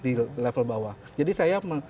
di level bawah jadi saya